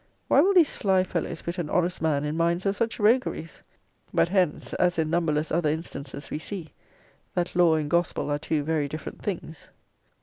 Why will these sly fellows put an honest man in minds of such rogueries? but hence, as in numberless other instances, we see, that law and gospel are two very different things.